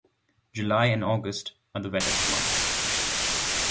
July and August are the wettest months.